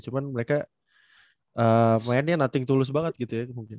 cuma mereka mainnya nothing tulus banget gitu ya mungkin